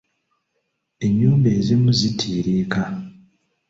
Ennyumba ezimu zitiiriika.